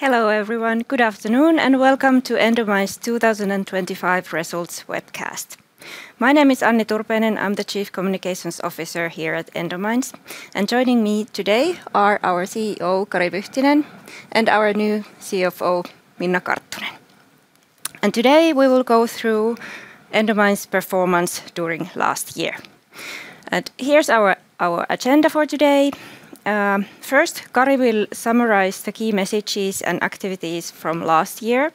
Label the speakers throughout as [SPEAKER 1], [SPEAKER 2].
[SPEAKER 1] Hello, everyone. Good afternoon, and welcome to Endomines' 2025 Results Webcast. My name is Anni Turpeinen. I'm the Chief Communications Officer here at Endomines, and joining me today are our CEO, Kari Vyhtinen, and our new CFO, Minna Karttunen. And today, we will go through Endomines' performance during last year. And here's our agenda for today. First, Kari will summarize the key messages and activities from last year,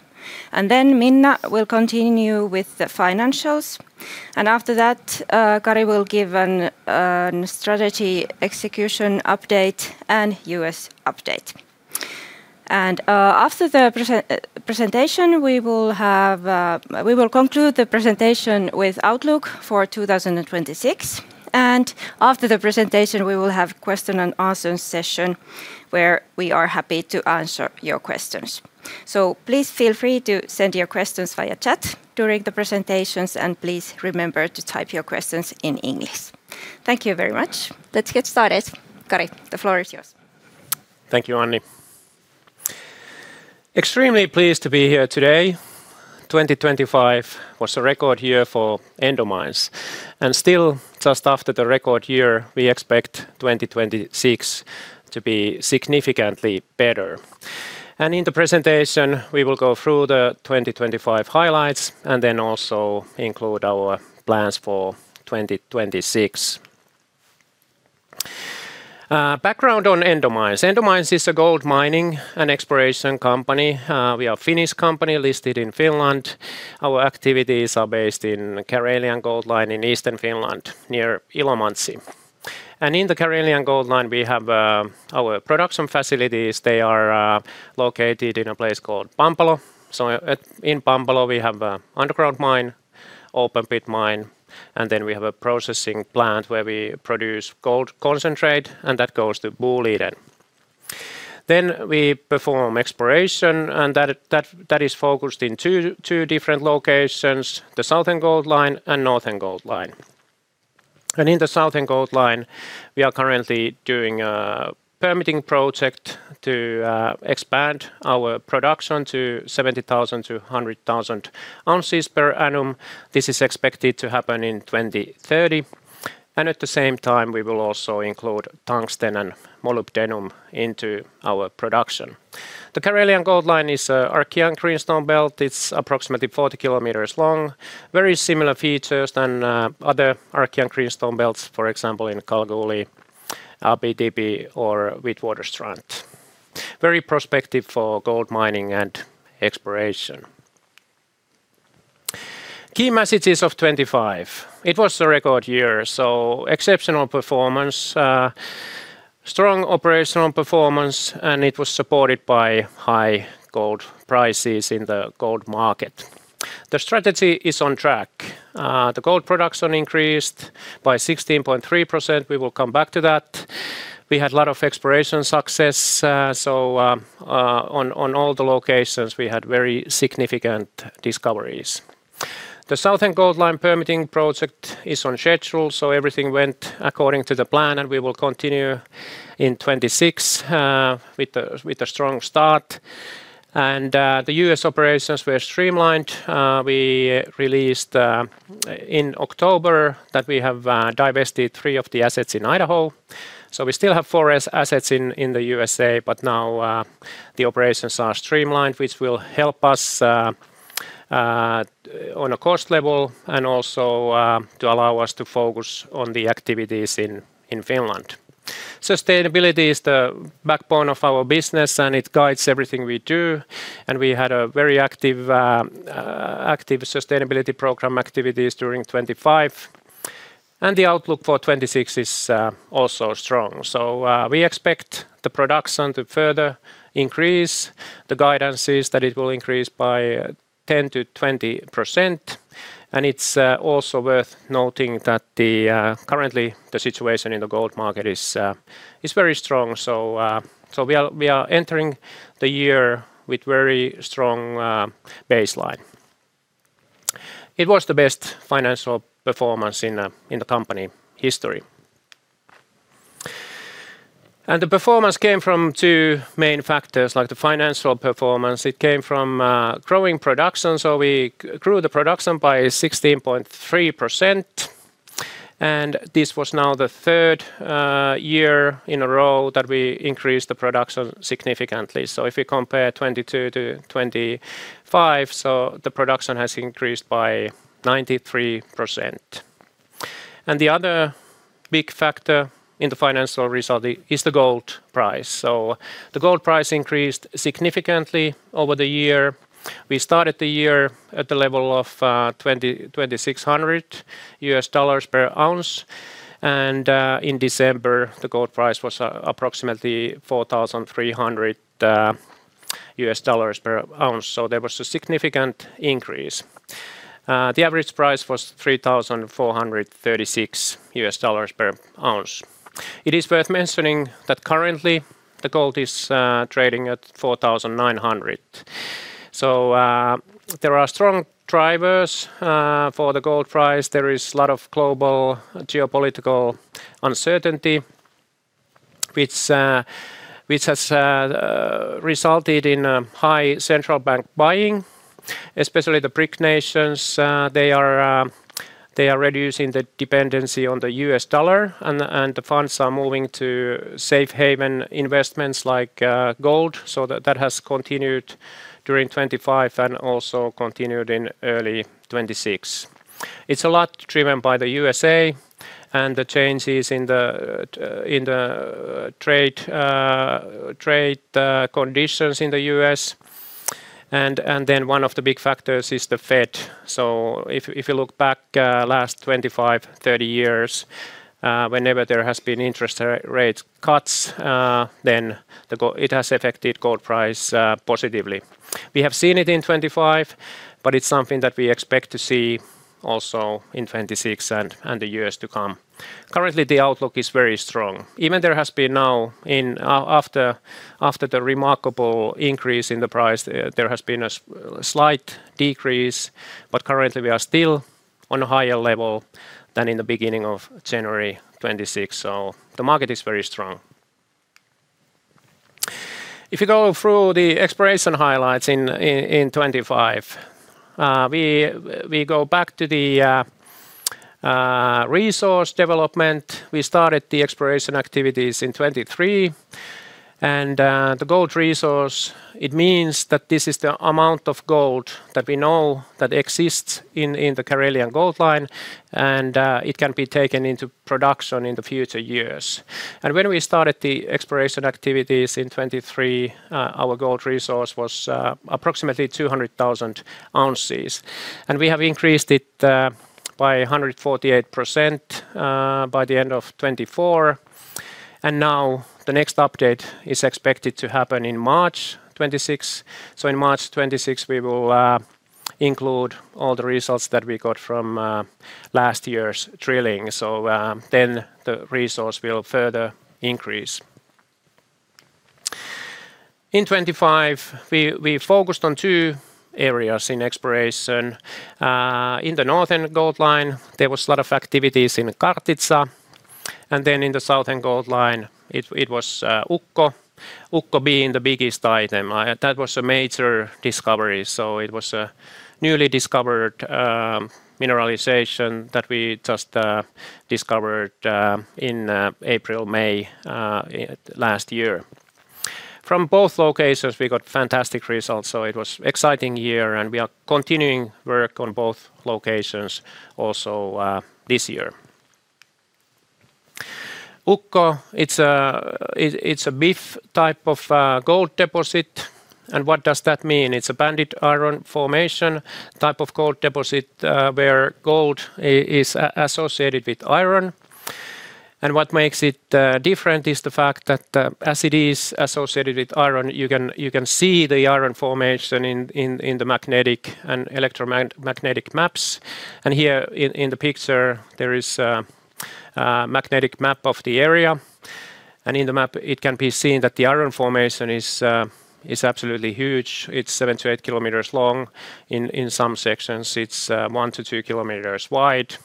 [SPEAKER 1] and then Minna will continue with the financials. And after that, Kari will give a strategy execution update and U.S. update. And after the presentation, we will have. We will conclude the presentation with outlook for 2026, and after the presentation, we will have question and answer session, where we are happy to answer your questions. Please feel free to send your questions via chat during the presentations, and please remember to type your questions in English. Thank you very much. Let's get started. Kari, the floor is yours.
[SPEAKER 2] Thank you, Anni. Extremely pleased to be here today. 2025 was a record year for Endomines, and still, just after the record year, we expect 2026 to be significantly better. In the presentation, we will go through the 2025 highlights and then also include our plans for 2026. Background on Endomines. Endomines is a gold mining and exploration company. We are Finnish company listed in Finland. Our activities are based in Karelian Gold Line in eastern Finland, near Ilomantsi. In the Karelian Gold Line, we have our production facilities. They are located in a place called Pampalo. So in Pampalo, we have a underground mine, open pit mine, and then we have a processing plant, where we produce gold concentrate, and that goes to Boliden. We perform exploration, and that is focused in two different locations: the Southern Gold Line and Northern Gold Line. In the Southern Gold Line, we are currently doing a permitting project to expand our production to 70,000-100,000 ounces per annum. This is expected to happen in 2030, and at the same time, we will also include tungsten and molybdenum into our production. The Karelian Gold Line is an Archean greenstone belt. It's approximately 40 km long. Very similar features than other Archean greenstone belts, for example, in Kalgoorlie, Abitibi or Witwatersrand. Very prospective for gold mining and exploration. Key messages of 2025. It was a record year, so exceptional performance, strong operational performance, and it was supported by high gold prices in the gold market. The strategy is on track. The gold production increased by 16.3%. We will come back to that. We had a lot of exploration success, so on all the locations, we had very significant discoveries. The Southern Gold Line permitting project is on schedule, so everything went according to the plan, and we will continue in 2026 with a strong start. The U.S. operations were streamlined. We released in October that we have divested three of the assets in Idaho. So we still have four assets in the USA, but now the operations are streamlined, which will help us on a cost level and also to allow us to focus on the activities in Finland. Sustainability is the backbone of our business, and it guides everything we do, and we had a very active sustainability program activities during 2025, and the outlook for 2026 is also strong. So, we expect the production to further increase. The guidance is that it will increase by 10%-20%, and it's also worth noting that currently, the situation in the gold market is very strong. So, we are entering the year with very strong baseline. It was the best financial performance in the company history. And the performance came from two main factors, like the financial performance. It came from growing production, so we grew the production by 16.3%, and this was now the third year in a row that we increased the production significantly. So if we compare 2022 to 2025, so the production has increased by 93%. And the other big factor in the financial result is the gold price. So the gold price increased significantly over the year. We started the year at the level of $2,600 per ounce, and in December, the gold price was approximately $4,300 per ounce, so there was a significant increase. The average price was $3,436 per ounce. It is worth mentioning that currently, the gold is trading at $4,900. So, there are strong drivers for the gold price. There is a lot of global geopolitical uncertainty, which has resulted in high central bank buying, especially the BRIC nations. They are reducing the dependency on the U.S. dollar, and the funds are moving to safe haven investments like gold. So that has continued during 2025 and also continued in early 2026. It's a lot driven by the USA and the changes in the trade conditions in the U.S., and then one of the big factors is the Fed. So if you look back last 25 years, 30 years, whenever there has been interest rates cuts, then it has affected gold price positively. We have seen it in 2025, but it's something that we expect to see also in 2026 and the years to come. Currently, the outlook is very strong. Even there has been now in... After the remarkable increase in the price, there has been a slight decrease, but currently we are still on a higher level than in the beginning of January 2026, so the market is very strong. If you go through the exploration highlights in 2025, we go back to the resource development. We started the exploration activities in 2023, and the gold resource, it means that this is the amount of gold that we know that exists in the Karelian Gold Line, and it can be taken into production in the future years. And when we started the exploration activities in 2023, our gold resource was approximately 200,000 ounces, and we have increased it by 148% by the end of 2024. Now the next update is expected to happen in March 2026. So in March 2026, we will include all the results that we got from last year's drilling. So then the resource will further increase. In 2025, we focused on two areas in exploration. In the Northern Gold Line, there was a lot of activities in Kartitsa, and then in the Southern Gold Line, it was Ukko. Ukko being the biggest item. That was a major discovery, so it was a newly discovered mineralization that we just discovered in April, May, last year. From both locations, we got fantastic results, so it was exciting year, and we are continuing work on both locations also this year. Ukko, it's a BIF type of gold deposit. And what does that mean? It's a banded iron formation type of gold deposit, where gold is associated with iron. And what makes it different is the fact that, as it is associated with iron, you can see the iron formation in the magnetic and electromagnetic maps. And here in the picture, there is a magnetic map of the area, and in the map, it can be seen that the iron formation is absolutely huge. It's 7 km-8 km long. In some sections, it's 1 km-2 km wide.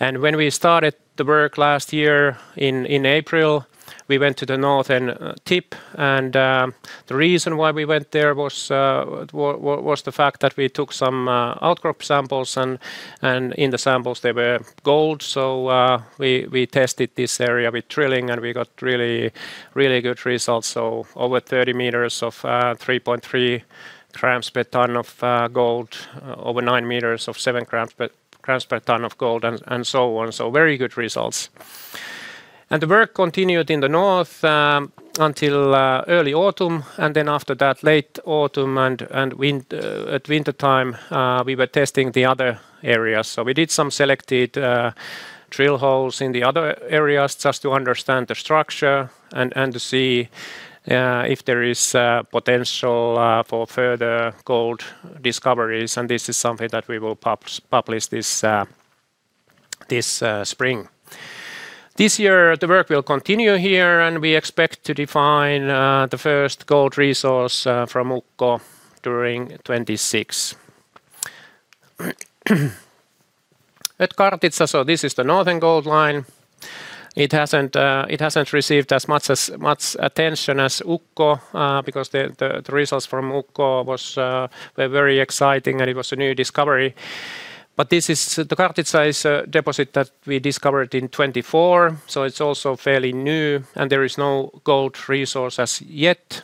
[SPEAKER 2] And when we started the work last year in April, we went to the northern tip, and the reason why we went there was the fact that we took some outcrop samples and in the samples there were gold. So, we tested this area with drilling, and we got really, really good results. So over 30 meters of 3.3 grams per ton of gold, over 9 meters of 7 grams per ton of gold, and so on. So very good results. And the work continued in the north until early autumn, and then after that, late autumn and wintertime, we were testing the other areas. So we did some selected drill holes in the other areas just to understand the structure and to see if there is potential for further gold discoveries, and this is something that we will publish this spring. This year, the work will continue here, and we expect to define the first gold resource from Ukko during 2026. At Kartitsa, so this is the Northern Gold Line. It hasn't received as much attention as Ukko because the results from Ukko were very exciting, and it was a new discovery. But this is... The Kartitsa is a deposit that we discovered in 2024, so it's also fairly new, and there is no gold resource as yet.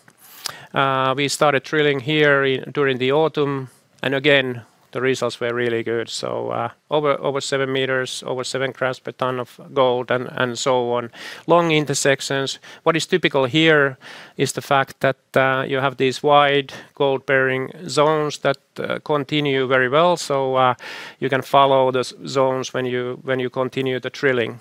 [SPEAKER 2] We started drilling here during the autumn, and again, the results were really good. So, over 7 meters, over 7 grams per ton of gold and so on. Long intersections. What is typical here is the fact that you have these wide gold-bearing zones that continue very well, so you can follow the zones when you continue the drilling.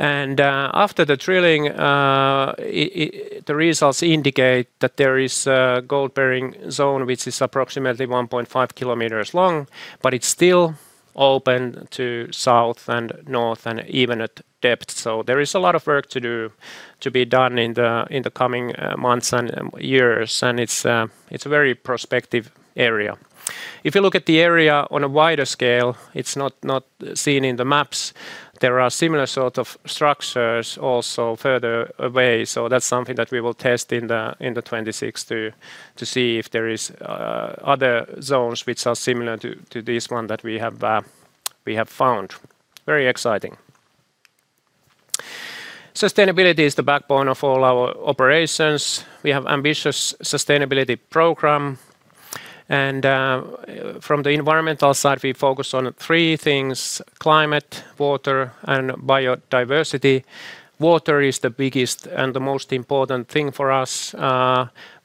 [SPEAKER 2] After the drilling, the results indicate that there is a gold-bearing zone, which is approximately 1.5 km long, but it's still open to south and north and even at depth. So there is a lot of work to do, to be done in the coming months and years, and it's a very prospective area. If you look at the area on a wider scale, it's not seen in the maps. There are similar sort of structures also further away, so that's something that we will test in the 2026 to see if there is other zones which are similar to this one that we have found. Very exciting. Sustainability is the backbone of all our operations. We have ambitious sustainability program, and from the environmental side, we focus on three things: climate, water, and biodiversity. Water is the biggest and the most important thing for us.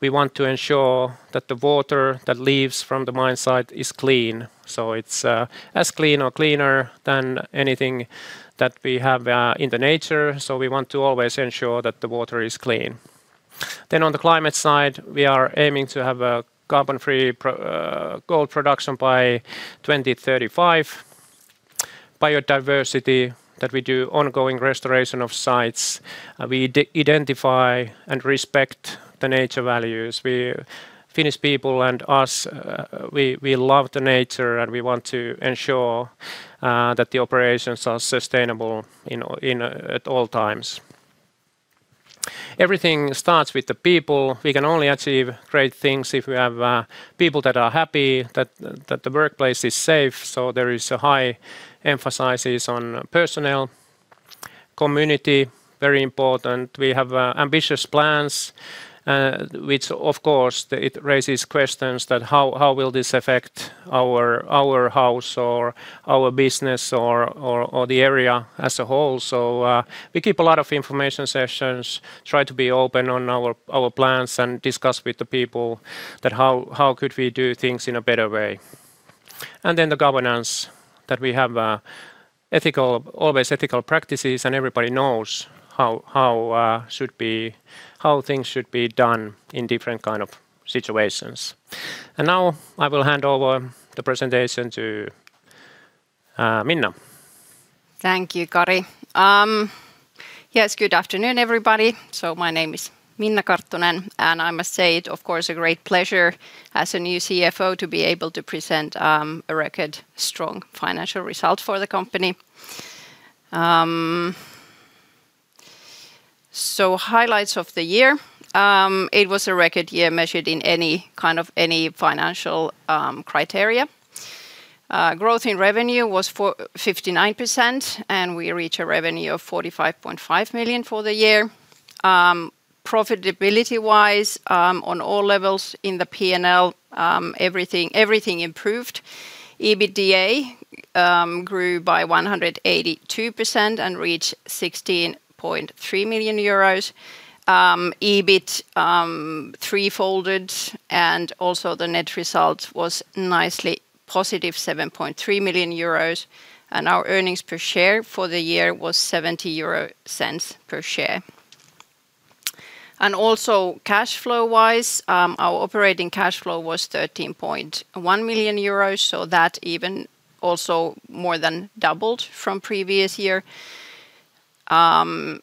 [SPEAKER 2] We want to ensure that the water that leaves from the mine site is clean, so it's as clean or cleaner than anything that we have in the nature. So we want to always ensure that the water is clean. Then on the climate side, we are aiming to have a carbon-free gold production by 2035. Biodiversity, that we do ongoing restoration of sites. We identify and respect the nature values. We Finnish people and us, we love the nature, and we want to ensure that the operations are sustainable, you know, in, at all times. Everything starts with the people. We can only achieve great things if we have people that are happy, that the workplace is safe, so there is a high emphasis on personnel. Community, very important. We have ambitious plans, which of course it raises questions that how, how will this affect our house or our business or the area as a whole? So, we keep a lot of information sessions, try to be open on our plans, and discuss with the people that how could we do things in a better way? Then the governance that we have, ethical, always ethical practices, and everybody knows how things should be done in different kind of situations. Now I will hand over the presentation to Minna.
[SPEAKER 3] Thank you, Kari. Yes, good afternoon, everybody. So my name is Minna Karttunen, and I must say it of course a great pleasure as the new CFO to be able to present a record strong financial result for the company. So highlights of the year. It was a record year measured in any kind of any financial criteria. Growth in revenue was 59%, and we reached a revenue of 45.5 million for the year. Profitability-wise, on all levels in the P&L, everything, everything improved. EBITDA grew by 182% and reached 16.3 million euros. EBIT three-folded, and also the net result was nicely positive, 7.3 million euros, and our earnings per share for the year was 0.70 EUR per share. Also, cash flow-wise, our operating cash flow was 13.1 million euros, so that even also more than doubled from previous year. And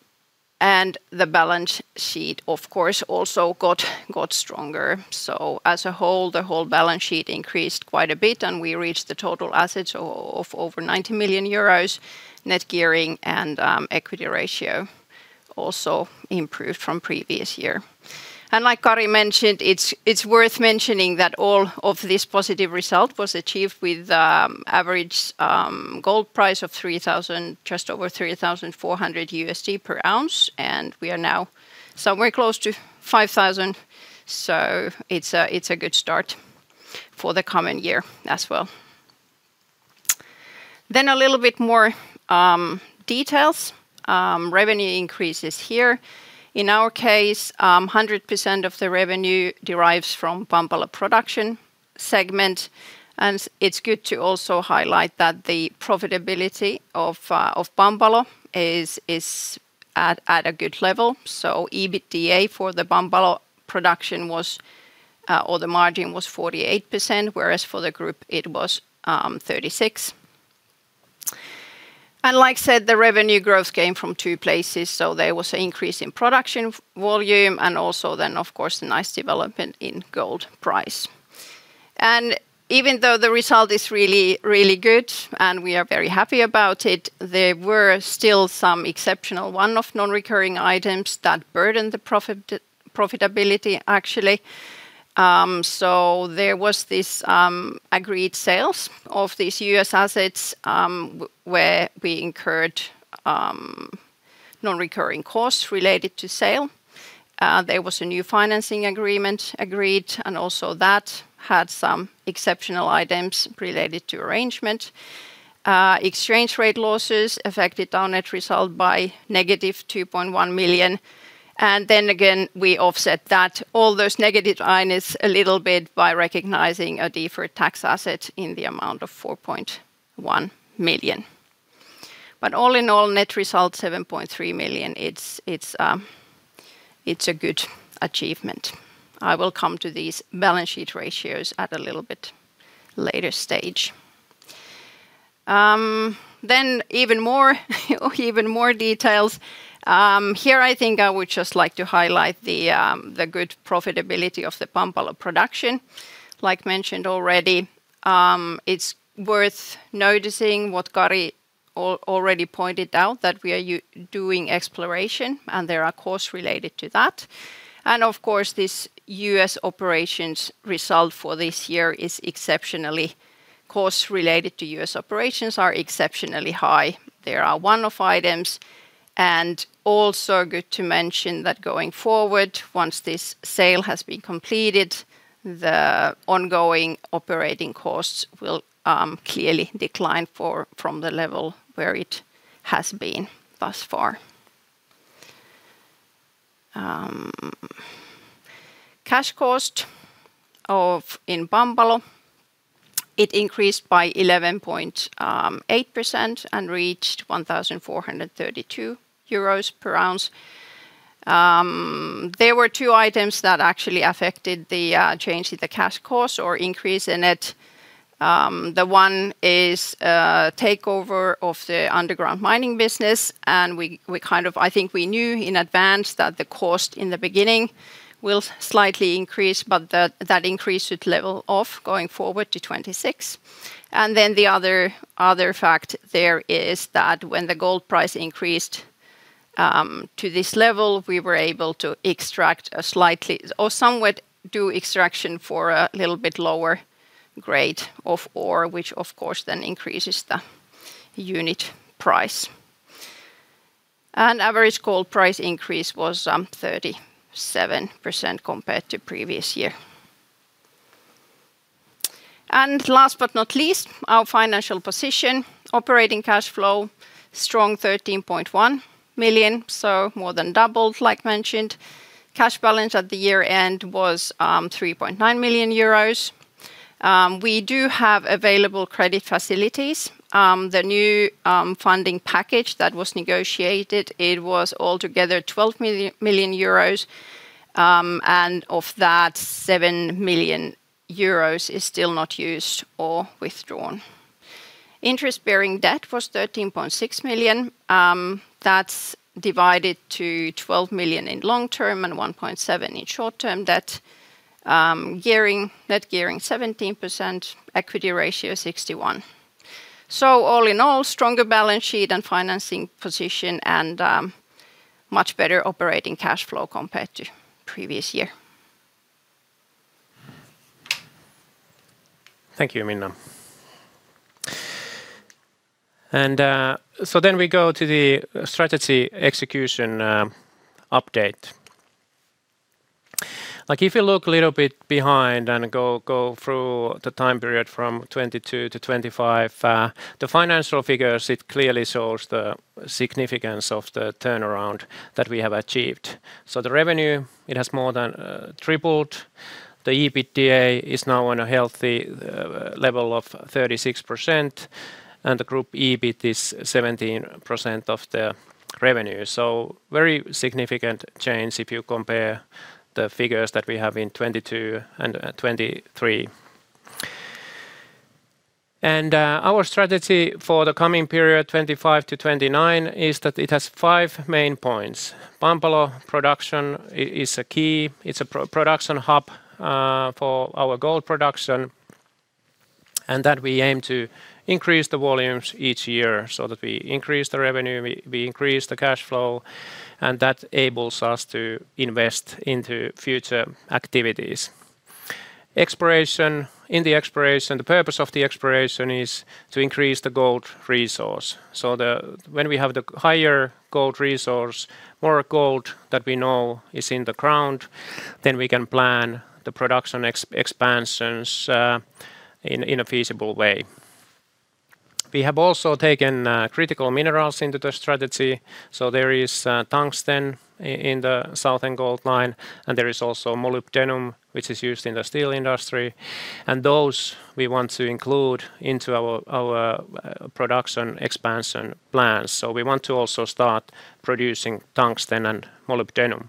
[SPEAKER 3] the balance sheet, of course, also got stronger. So as a whole, the whole balance sheet increased quite a bit, and we reached the total assets of over 90 million euros. Net gearing and equity ratio also improved from previous year. And like Kari mentioned, it's worth mentioning that all of this positive result was achieved with average gold price of just over $3,400 per ounce, and we are now somewhere close to $5,000. So it's a good start for the coming year as well. Then a little bit more details. Revenue increases here. In our case, 100% of the revenue derives from Pampalo production segment, and it's good to also highlight that the profitability of Pampalo is at a good level. So EBITDA for the Pampalo production was, or the margin was 48%, whereas for the group it was 36%. And like I said, the revenue growth came from two places, so there was an increase in production volume, and also then, of course, a nice development in gold price. And even though the result is really, really good, and we are very happy about it, there were still some exceptional one-off non-recurring items that burdened the profitability, actually. So there was this agreed sales of these US assets, where we incurred non-recurring costs related to sale. There was a new financing agreement agreed, and also that had some exceptional items related to arrangement. Exchange rate losses affected our net result by -2.1 million, and then again, we offset that, all those negative items a little bit by recognizing a deferred tax asset in the amount of 4.1 million. But all in all, net result, 7.3 million, it's a good achievement. I will come to these balance sheet ratios at a little bit later stage. Then even more details. Here I think I would just like to highlight the good profitability of the Pampalo production. Like mentioned already, it's worth noticing what Kari already pointed out, that we are doing exploration, and there are costs related to that. And of course, this US operations result for this year is exceptionally costs related to US operations are exceptionally high. There are one-off items, and also good to mention that going forward, once this sale has been completed, the ongoing operating costs will clearly decline from the level where it has been thus far. Cash cost of in Pampalo, it increased by 11.8% and reached 1,432 euros per ounce. There were two items that actually affected the change in the cash cost or increase in it. The one is takeover of the underground mining business, and we kind of... I think we knew in advance that the cost in the beginning will slightly increase, but that increase should level off going forward to 2026. And then the other fact there is that when the gold price increased to this level, we were able to extract a slightly or somewhat do extraction for a little bit lower grade of ore, which of course, then increases the unit price. And average gold price increase was 37% compared to previous year. And last but not least, our financial position. Operating cash flow, strong 13.1 million, so more than doubled, like mentioned. Cash balance at the year-end was 3.9 million euros. We do have available credit facilities. The new funding package that was negotiated, it was altogether 12 million euros, and of that, 7 million euros is still not used or withdrawn. Interest-bearing debt was 13.6 million. That's divided to 12 million in long-term and 1.7 million in short-term debt. Gearing... Net gearing, 17%, equity ratio, 61. So all in all, stronger balance sheet and financing position and, much better operating cash flow compared to previous year.
[SPEAKER 2] Thank you, Minna. So then we go to the strategy execution update. Like, if you look a little bit behind and go through the time period from 2022 to 2025, the financial figures, it clearly shows the significance of the turnaround that we have achieved. So the revenue, it has more than tripled. The EBITDA is now on a healthy level of 36%, and the group EBIT is 17% of the revenue. So very significant change if you compare the figures that we have in 2022 and 2023. And our strategy for the coming period, 2025 to 2029, is that it has 5 main points. Pampalo production is a key. It's a production hub for our gold production, and that we aim to increase the volumes each year so that we increase the revenue, we increase the cash flow, and that enables us to invest into future activities. Exploration. In the exploration, the purpose of the exploration is to increase the gold resource. So when we have the higher gold resource, more gold that we know is in the ground, then we can plan the production expansions in a feasible way. We have also taken critical minerals into the strategy, so there is tungsten in the Southern Gold Line, and there is also molybdenum, which is used in the steel industry, and those we want to include into our production expansion plans. So we want to also start producing tungsten and molybdenum.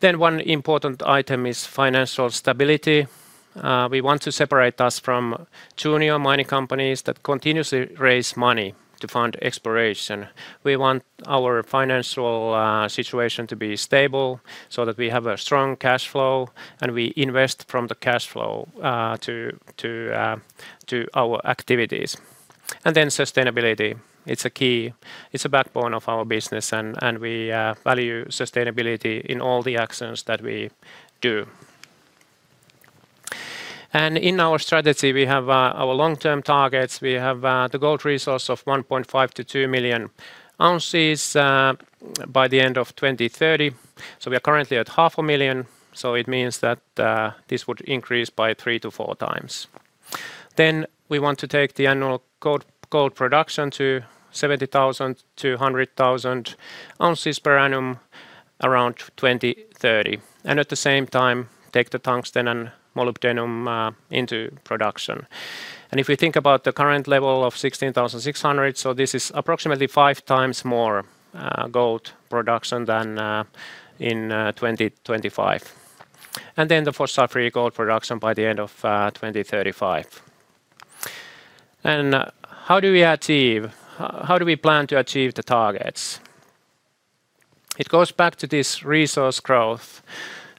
[SPEAKER 2] Then one important item is financial stability. We want to separate us from junior mining companies that continuously raise money to fund exploration. We want our financial situation to be stable so that we have a strong cash flow, and we invest from the cash flow to our activities. Then sustainability, it's a key. It's a backbone of our business, and we value sustainability in all the actions that we do. In our strategy, we have our long-term targets. We have the gold resource of 1.5 million -2 million ounces by the end of 2030. So we are currently at 0.5 million, so it means that this would increase by 3x-4x. Then we want to take the annual gold production to 70,000-100,000 ounces per annum around 2030, and at the same time, take the tungsten and molybdenum into production. And if we think about the current level of 16,600, so this is approximately five times more gold production than in 2025, and then the fossil-free gold production by the end of 2035. And how do we achieve? How do we plan to achieve the targets? It goes back to this resource growth.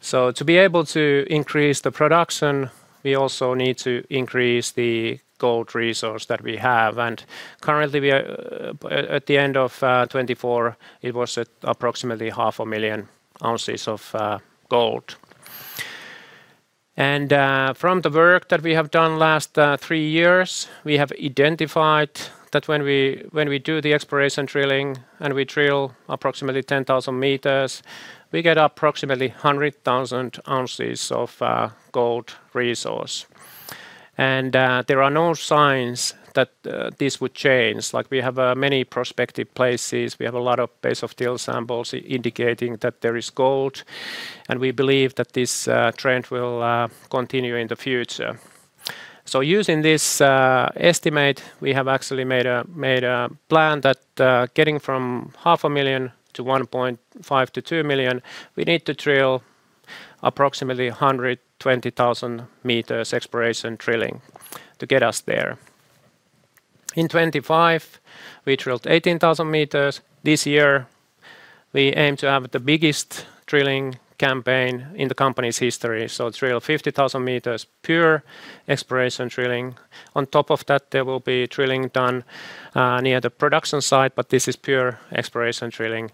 [SPEAKER 2] So to be able to increase the production, we also need to increase the gold resource that we have. And currently, we are at the end of 2024, it was at approximately 500,000 ounces of gold. From the work that we have done last three years, we have identified that when we do the exploration drilling, and we drill approximately 10,000 meters, we get approximately 100,000 ounces of gold resource. There are no signs that this would change. Like, we have many prospective places, we have a lot of base of till samples indicating that there is gold, and we believe that this trend will continue in the future. So using this estimate, we have actually made a plan that getting from 0.5 million to 1.5-2 million, we need to drill approximately 120,000 meters exploration drilling to get us there. In 2025, we drilled 18,000 meters. This year, we aim to have the biggest drilling campaign in the company's history. So drill 50,000 meters, pure exploration drilling. On top of that, there will be drilling done near the production site, but this is pure exploration drilling,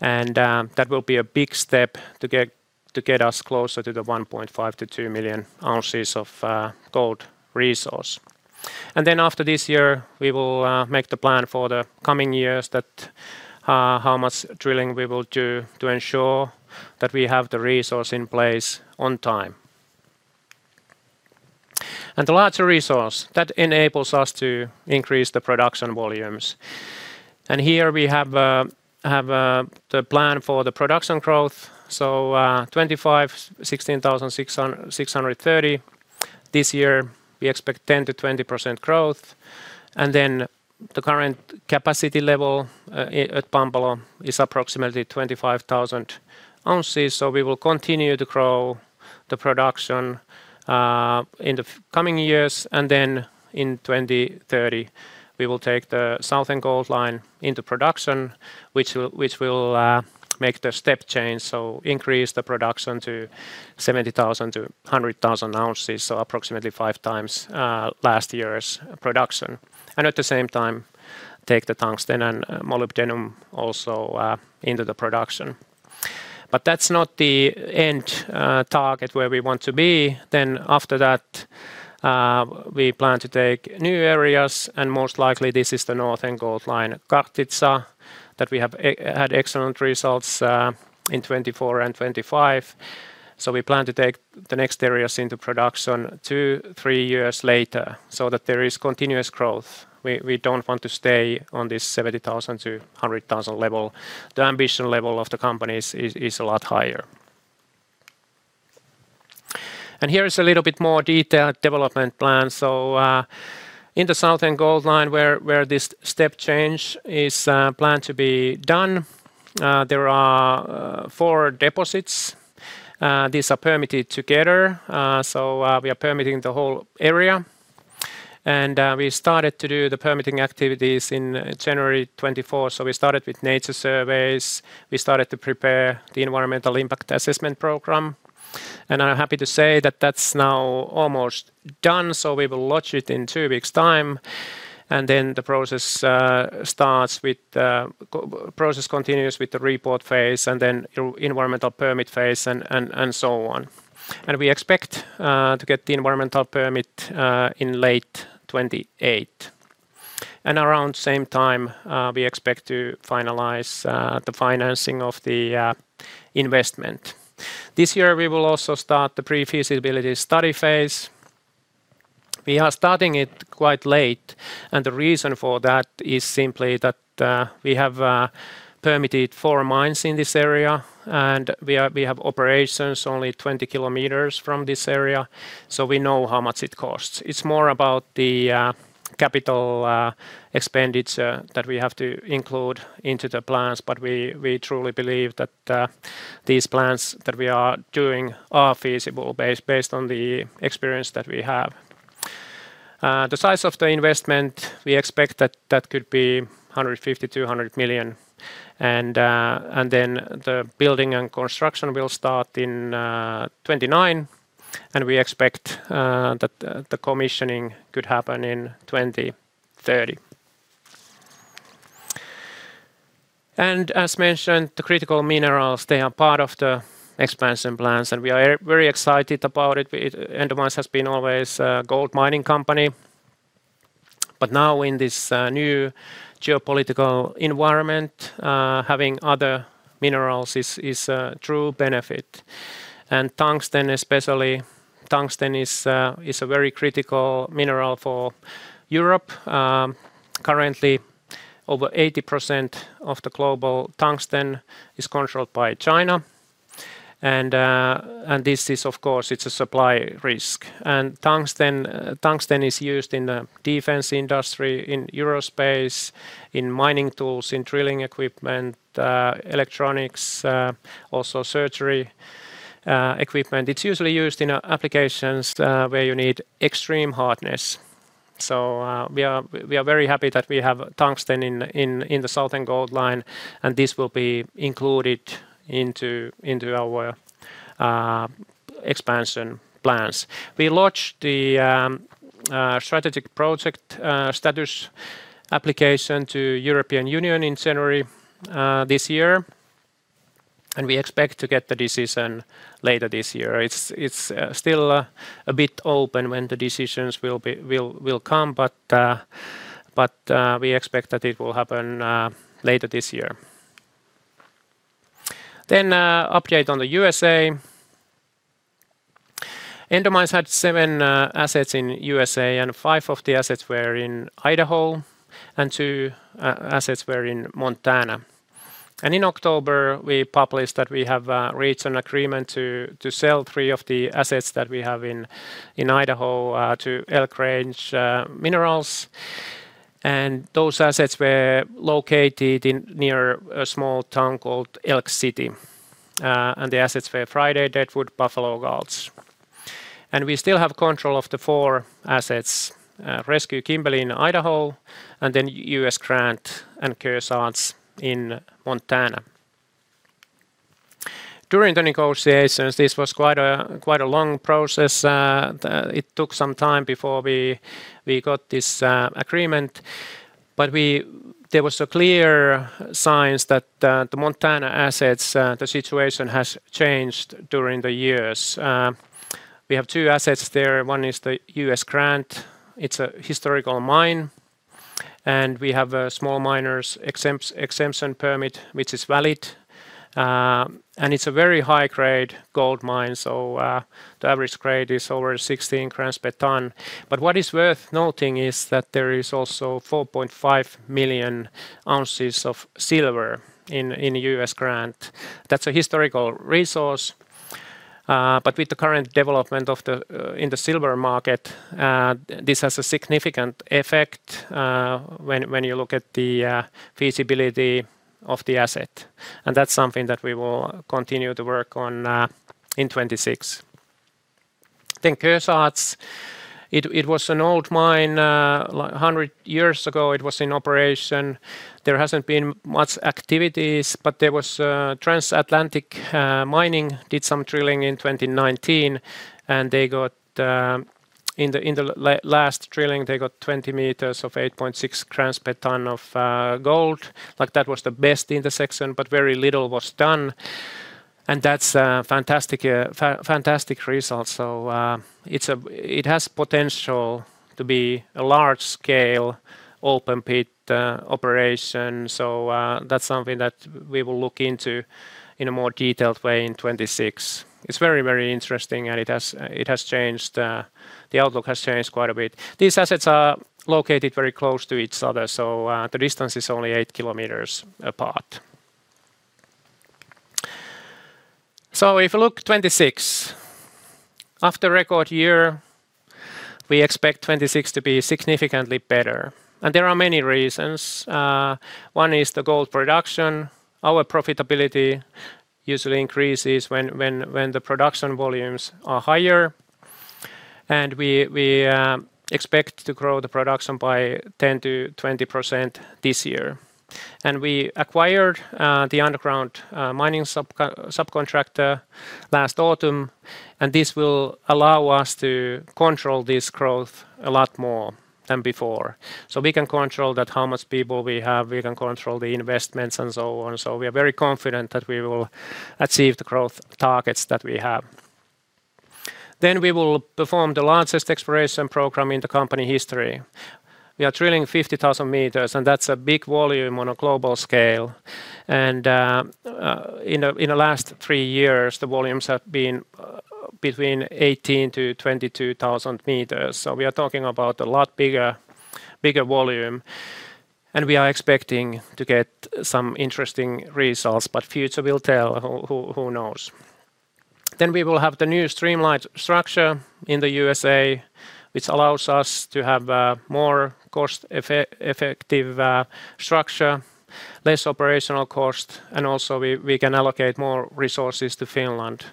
[SPEAKER 2] and that will be a big step to get, to get us closer to the 1.5 million-2 million ounces of gold resource. And then after this year, we will make the plan for the coming years that how much drilling we will do to ensure that we have the resource in place on time. And the larger resource, that enables us to increase the production volumes. And here we have the plan for the production growth. So, 25, 16,660. This year, we expect 10%-20% growth, and then the current capacity level at Pampalo is approximately 25,000 ounces. So we will continue to grow the production in the coming years, and then in 2030, we will take the Southern Gold Line into production, which will make the step change, so increase the production to 70,000-100,000 ounces, so approximately five times last year's production. And at the same time, take the tungsten and molybdenum also into the production. But that's not the end target where we want to be. Then after that, we plan to take new areas, and most likely, this is the Northern Gold Line at Kartitsa, that we had excellent results in 2024 and 2025. So we plan to take the next areas into production 2 years-3 years later so that there is continuous growth. We don't want to stay on this 70,000-100,000 level. The ambition level of the company is a lot higher. And here is a little bit more detailed development plan. So in the Southern Gold Line, where this step change is planned to be done, there are 4 deposits. These are permitted together, so we are permitting the whole area. And we started to do the permitting activities in January 2024. So we started with nature surveys, we started to prepare the environmental impact assessment program, and I'm happy to say that that's now almost done. So we will launch it in two weeks' time, and then the process starts with the report phase and then the environmental permit phase and so on. We expect to get the environmental permit in late 2028. And around same time, we expect to finalize the financing of the investment. This year, we will also start the pre-feasibility study phase. We are starting it quite late, and the reason for that is simply that we have permitted four mines in this area, and we have operations only 20 km from this area, so we know how much it costs. It's more about the capital expenditure that we have to include into the plans, but we truly believe that these plans that we are doing are feasible based on the experience that we have. The size of the investment, we expect that that could be 150 million-200 million, and then the building and construction will start in 2029, and we expect that the commissioning could happen in 2030. And as mentioned, the critical minerals, they are part of the expansion plans, and we are very excited about it. Endomines has been always a gold mining company, but now in this new geopolitical environment, having other minerals is a true benefit. And tungsten, especially, tungsten is a very critical mineral for Europe. Currently, over 80% of the global tungsten is controlled by China, and this is, of course, a supply risk. Tungsten is used in the defense industry, in aerospace, in mining tools, in drilling equipment, electronics, also surgery equipment. It's usually used in applications where you need extreme hardness. So, we are very happy that we have tungsten in the Southern Gold Line, and this will be included into our expansion plans. We launched the strategic project status application to European Union in January this year, and we expect to get the decision later this year. It's still a bit open when the decisions will come, but we expect that it will happen later this year. Then, update on the USA. Endomines had seven assets in USA, and five of the assets were in Idaho, and two assets were in Montana. And in October, we published that we have reached an agreement to sell three of the assets that we have in Idaho to Elk Range Minerals. And those assets were located near a small town called Elk City. And the assets were Friday, Deadwood, Buffalo Gulch. And we still have control of the four assets, Rescue, Kimberly in Idaho, and then US Grant and Kearsarge in Montana. During the negotiations, this was quite a long process. It took some time before we got this agreement, but we... There were clear signs that the Montana assets, the situation has changed during the years. We have two assets there. One is the US Grant. It's a historical mine, and we have a Small Miners Exemption permit, which is valid. And it's a very high-grade gold mine, so the average grade is over 16 grams per tonne. But what is worth noting is that there is also 4.5 million ounces of silver in US Grant. That's a historical resource, but with the current development in the silver market, this has a significant effect when you look at the feasibility of the asset. And that's something that we will continue to work on in 2026. Then Kearsarge, it was an old mine. 100 years ago, it was in operation. There hasn't been much activities, but there was Transatlantic Mining did some drilling in 2019, and they got in the last drilling, they got 20 meters of 8.6 grams per tonne of gold. Like, that was the best intersection, but very little was done, and that's a fantastic result. So, it's a... It has potential to be a large-scale open pit operation. So, that's something that we will look into in a more detailed way in 2026. It's very, very interesting, and it has, it has changed... The outlook has changed quite a bit. These assets are located very close to each other, so the distance is only 8 kilometers apart. So if you look 2026, after record year, we expect 2026 to be significantly better, and there are many reasons. One is the gold production. Our profitability usually increases when the production volumes are higher, and we expect to grow the production by 10%-20% this year. We acquired the underground mining subcontractor last autumn, and this will allow us to control this growth a lot more than before. We can control that, how much people we have, we can control the investments, and so on. We are very confident that we will achieve the growth targets that we have. Then we will perform the largest exploration program in the company history. We are drilling 50,000 meters, and that's a big volume on a global scale. In the last three years, the volumes have been between 18,000 meters-22,000 meters. So we are talking about a lot bigger volume, and we are expecting to get some interesting results, but future will tell. Who knows? Then we will have the new streamlined structure in the USA, which allows us to have more cost-effective structure, less operational cost, and also we can allocate more resources to Finland.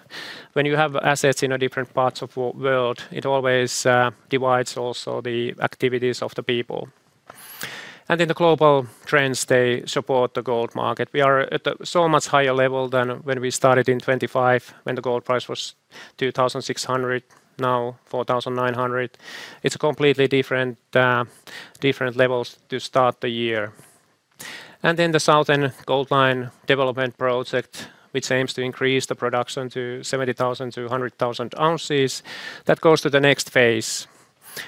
[SPEAKER 2] When you have assets in different parts of the world, it always divides also the activities of the people. And then the global trends, they support the gold market. We are at a so much higher level than when we started in 2025, when the gold price was $2,600, now $4,900. It's a completely different levels to start the year. And then the Southern Gold Line development project, which aims to increase the production to 70,000-100,000 ounces, that goes to the next phase.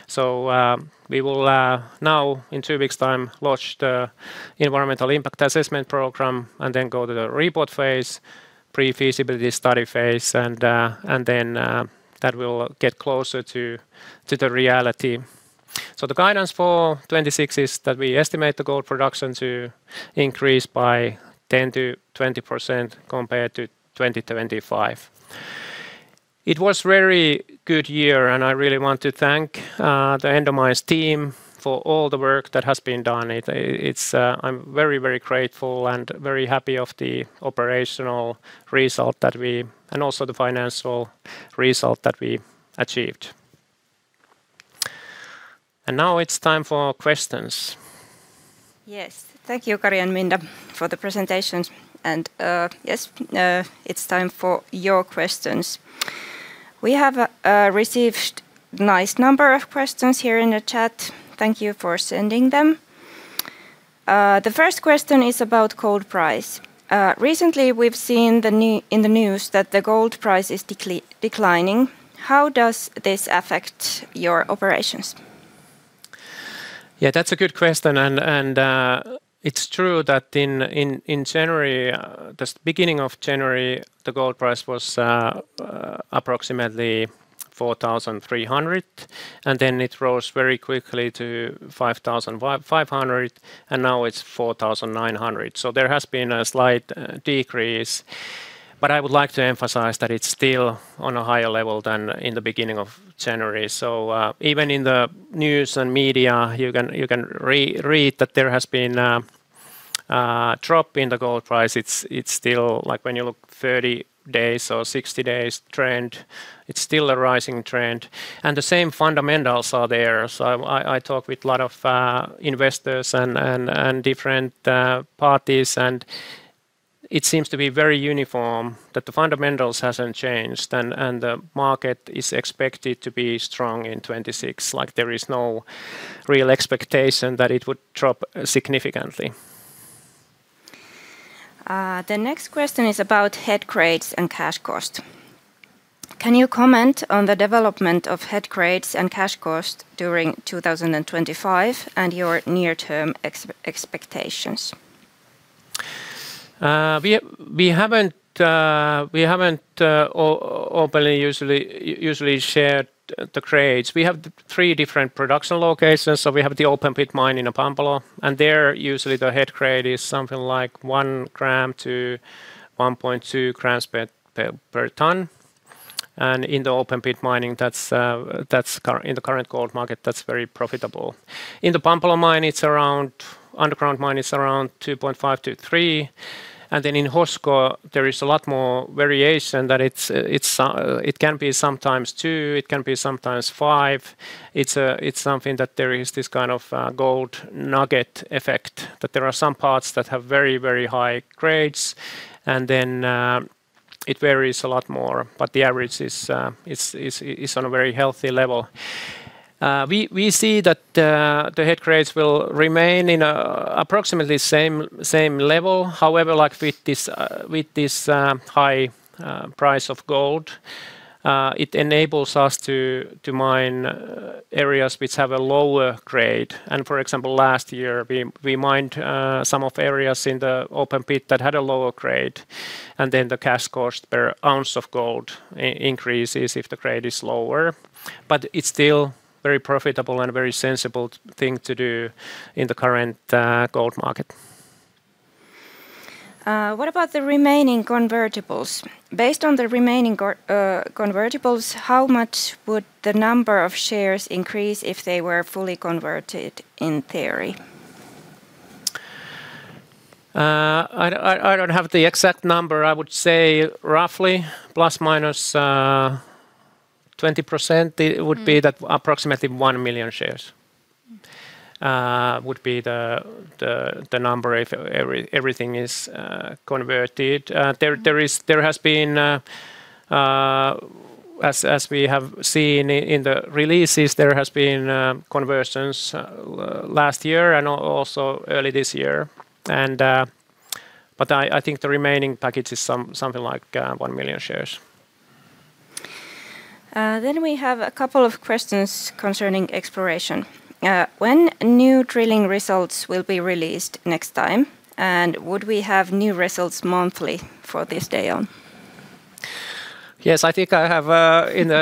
[SPEAKER 2] So, we will, now, in two weeks' time, launch the environmental impact assessment program and then go to the report phase, pre-feasibility study phase, and then, that will get closer to the reality. So the guidance for 2026 is that we estimate the gold production to increase by 10%-20% compared to 2025. It was very good year, and I really want to thank the Endomines team for all the work that has been done. It, it's, I'm very, very grateful and very happy of the operational result that we... and also the financial result that we achieved. And now it's time for questions.
[SPEAKER 1] Yes. Thank you, Kari and Minna, for the presentations, and, yes, it's time for your questions. We have received nice number of questions here in the chat. Thank you for sending them. The first question is about gold price. Recently we've seen in the news that the gold price is declining. How does this affect your operations?
[SPEAKER 2] Yeah, that's a good question, and it's true that in January the beginning of January, the gold price was approximately $4,300, and then it rose very quickly to $5,500, and now it's $4,900. So there has been a slight decrease, but I would like to emphasize that it's still on a higher level than in the beginning of January. So even in the news and media, you can read that there has been a drop in the gold price. It's still, like, when you look 30 days or 60 days trend, it's still a rising trend, and the same fundamentals are there. So I talk with a lot of investors and different parties, and it seems to be very uniform that the fundamentals hasn't changed, and the market is expected to be strong in 2026. Like, there is no real expectation that it would drop significantly.
[SPEAKER 1] The next question is about head grades and cash cost. Can you comment on the development of head grades and cash cost during 2025 and your near-term expectations?
[SPEAKER 2] We haven't openly usually shared the grades. We have three different production locations, so we have the open pit mine in Pampalo, and there, usually the head grade is something like 1 gram to 1.2 grams per ton. And in the open pit mining, in the current gold market, that's very profitable. In the Pampalo mine, underground mine, it's around 2.5-3, and then in Hosko, there is a lot more variation that it's, it can be sometimes 2, it can be sometimes 5. It's something that there is this kind of gold nugget effect, that there are some parts that have very, very high grades, and then it varies a lot more, but the average is on a very healthy level. We see that the head grades will remain in a approximately same level. However, like with this high price of gold, it enables us to mine areas which have a lower grade. And, for example, last year, we mined some of areas in the open pit that had a lower grade, and then the cash cost per ounce of gold increases if the grade is lower, but it's still very profitable and a very sensible thing to do in the current gold market.
[SPEAKER 1] What about the remaining convertibles? Based on the remaining convertibles, how much would the number of shares increase if they were fully converted in theory?
[SPEAKER 2] I don't have the exact number. I would say roughly plus, minus, 20%-
[SPEAKER 1] Mm...
[SPEAKER 2] it would be that approximately 1 million shares would be the number if everything is converted. There has been, as we have seen in the releases, there has been conversions last year and also early this year, and but I think the remaining package is something like 1 million shares.
[SPEAKER 1] Then we have a couple of questions concerning exploration. When new drilling results will be released next time, and would we have new results monthly from this day on?
[SPEAKER 2] Yes, I think I have in the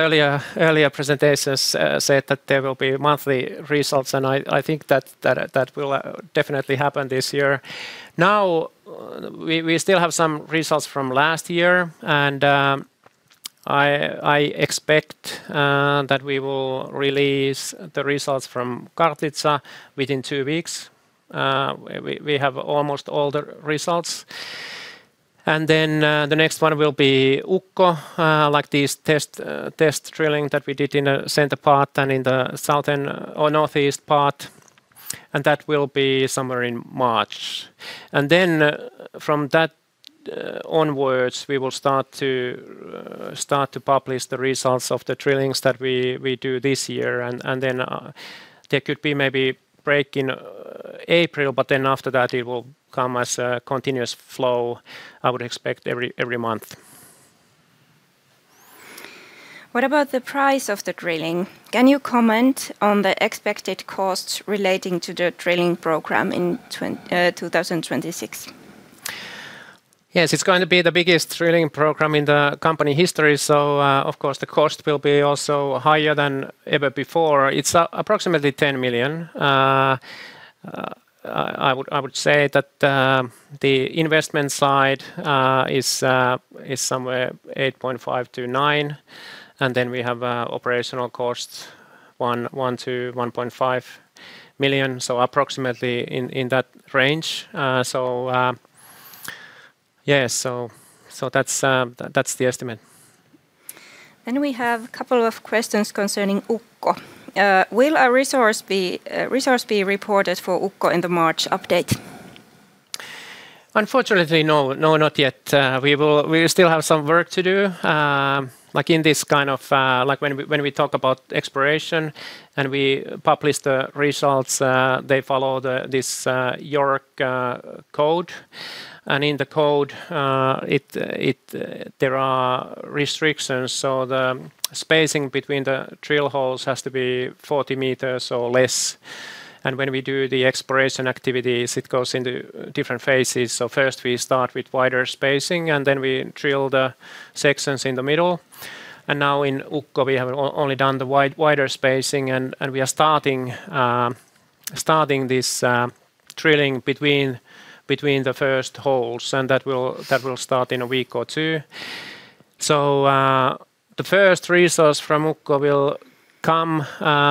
[SPEAKER 2] earlier presentations said that there will be monthly results, and I think that will definitely happen this year. Now, we still have some results from last year, and I expect that we will release the results from Kartitsa within two weeks. We have almost all the results, and then the next one will be Ukko, like this test drilling that we did in the center part and in the southern or northeast part, and that will be somewhere in March. And then from that onwards, we will start to publish the results of the drillings that we do this year, and then there could be maybe break in April, but then after that, it will come as a continuous flow, I would expect every month.
[SPEAKER 1] What about the price of the drilling? Can you comment on the expected costs relating to the drilling program in 2026?
[SPEAKER 2] Yes, it's going to be the biggest drilling program in the company history, so, of course, the cost will be also higher than ever before. It's approximately 10 million. I would say that the investment side is somewhere 8.5 million-9 million, and then we have operational costs, 1 million-1.5 million, so approximately in that range. Yes, so that's the estimate.
[SPEAKER 1] Then we have a couple of questions concerning Ukko. Will a resource be reported for Ukko in the March update?
[SPEAKER 2] Unfortunately, no. No, not yet. We still have some work to do. Like, in this kind of. Like, when we talk about exploration and we publish the results, they follow this JORC code, and in the code, it there are restrictions, so the spacing between the drill holes has to be 40 meters or less. And when we do the exploration activities, it goes into different phases. So first, we start with wider spacing, and then we drill the sections in the middle. And now in Ukko, we have only done the wider spacing, and we are starting this drilling between the first holes, and that will start in a week or two. So, the first resource from Ukko will come,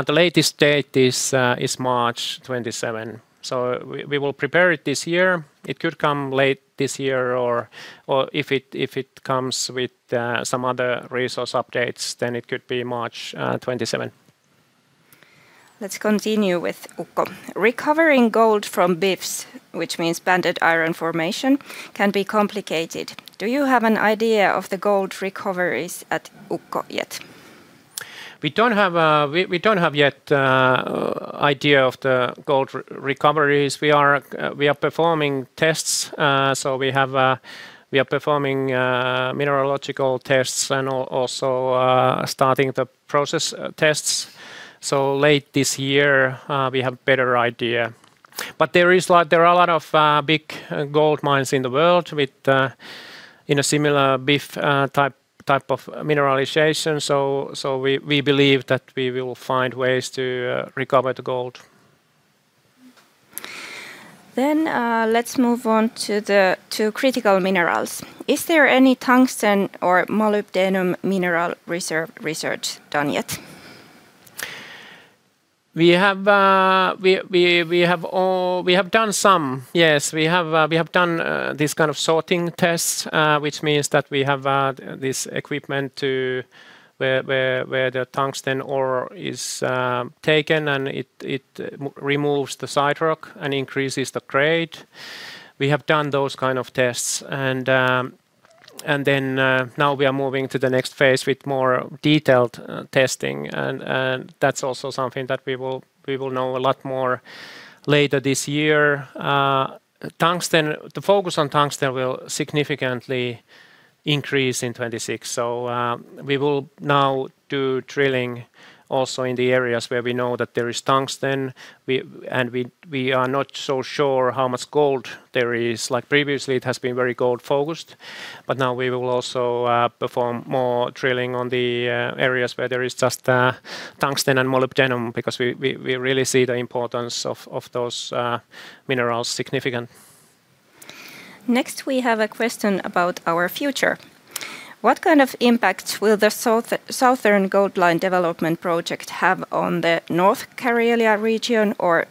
[SPEAKER 2] the latest date is, is March 27. So we will prepare it this year. It could come late this year, or, or if it, if it comes with, some other resource updates, then it could be March, 27.
[SPEAKER 1] Let's continue with Ukko. Recovering gold from BIFs, which means Banded Iron Formation, can be complicated. Do you have an idea of the gold recoveries at Ukko yet?
[SPEAKER 2] We don't have yet idea of the gold recoveries. We are performing tests, so we are performing mineralogical tests and also starting the process tests. So late this year, we have better idea. But there is like... There are a lot of big gold mines in the world with in a similar BIF type of mineralization, so we believe that we will find ways to recover the gold.
[SPEAKER 1] Then, let's move on to the critical minerals. Is there any tungsten or molybdenum mineral reserve research done yet?
[SPEAKER 2] We have done some, yes. We have done these kind of sorting tests, which means that we have this equipment to where the tungsten ore is taken, and it removes the side rock and increases the grade. We have done those kind of tests, and then now we are moving to the next phase with more detailed testing, and that's also something that we will know a lot more later this year. Tungsten, the focus on tungsten will significantly increase in 2026, so we will now do drilling also in the areas where we know that there is tungsten. And we are not so sure how much gold there is. Like, previously, it has been very gold-focused, but now we will also perform more drilling on the areas where there is just tungsten and molybdenum because we really see the importance of those minerals significant.
[SPEAKER 1] Next, we have a question about our future. What kind of impact will the Southern Gold Line development project have on the North Karelia region or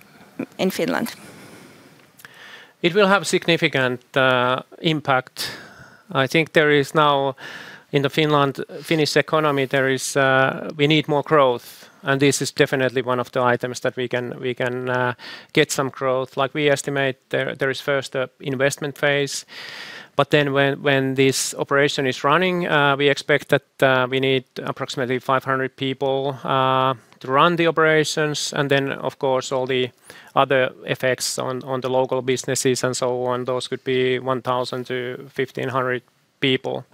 [SPEAKER 1] in Finland?
[SPEAKER 2] It will have significant impact. I think there is now in the Finnish economy, there is... We need more growth, and this is definitely one of the items that we can get some growth. Like, we estimate there is first an investment phase, but then when this operation is running, we expect that we need approximately 500 people to run the operations, and then, of course, all the other effects on the local businesses and so on. Those could be 1,000-1,500 people.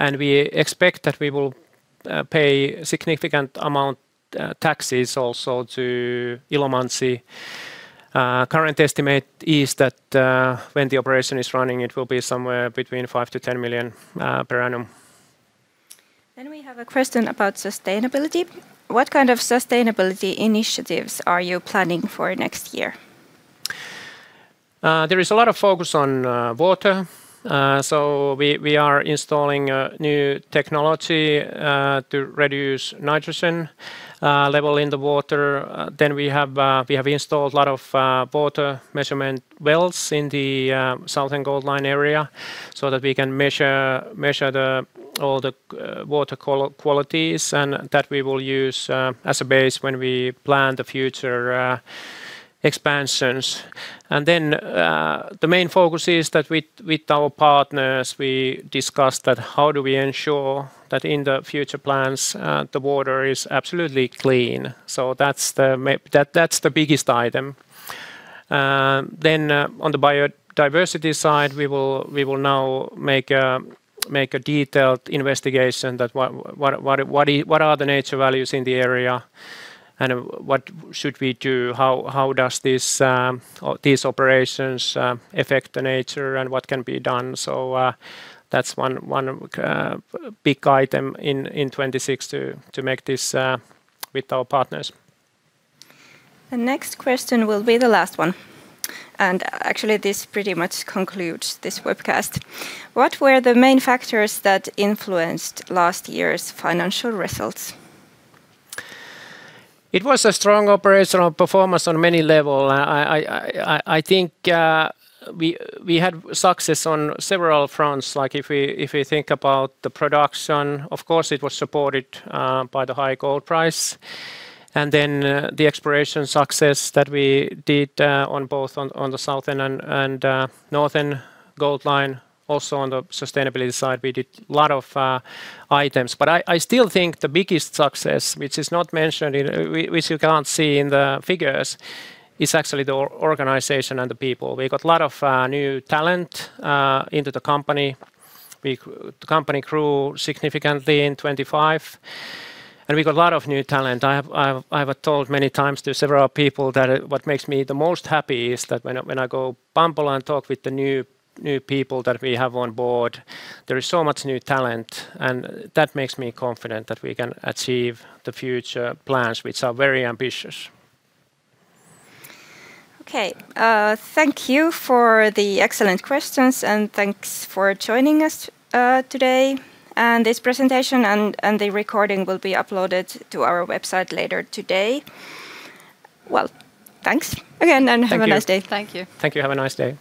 [SPEAKER 2] And we expect that we will pay significant amount taxes also to Ilomantsi. Current estimate is that when the operation is running, it will be somewhere between 5 million-10 million per annum.
[SPEAKER 1] We have a question about sustainability. What kind of sustainability initiatives are you planning for next year?
[SPEAKER 2] There is a lot of focus on water. So we are installing new technology to reduce nitrogen level in the water. Then we have installed a lot of water measurement wells in the Southern Gold Line area so that we can measure all the water qualities, and that we will use as a base when we plan the future expansions. Then the main focus is that with our partners, we discussed that how do we ensure that in the future plans the water is absolutely clean? So that's the biggest item. Then, on the biodiversity side, we will now make a detailed investigation that what are the nature values in the area, and what should we do? How does this, or these operations, affect the nature, and what can be done? So, that's one big item in 2026 to make this with our partners.
[SPEAKER 1] The next question will be the last one, and actually, this pretty much concludes this webcast. What were the main factors that influenced last year's financial results?
[SPEAKER 2] It was a strong operational performance on many levels. I think we had success on several fronts. Like, if we think about the production, of course, it was supported by the high gold price, and then, the exploration success that we did on both the Southern and Northern Gold Line. Also, on the sustainability side, we did a lot of items. But I still think the biggest success, which is not mentioned in... We still can't see in the figures, is actually the organization and the people. We got a lot of new talent into the company. The company grew significantly in 2025, and we got a lot of new talent. I have told many times to several people that what makes me the most happy is that when I go Pampalo and talk with the new people that we have on board, there is so much new talent, and that makes me confident that we can achieve the future plans, which are very ambitious.
[SPEAKER 1] Okay, thank you for the excellent questions, and thanks for joining us, today. And this presentation and the recording will be uploaded to our website later today. Well, thanks again-
[SPEAKER 2] Thank you.
[SPEAKER 1] Have a nice day. Thank you.
[SPEAKER 2] Thank you. Have a nice day.